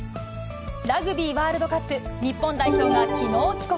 ラグビーワールドカップ、日本代表がきのう帰国。